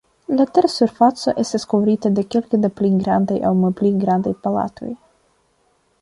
La tersurfaco estas kovrita de kelke da pli grandaj aŭ malpli grandaj platoj.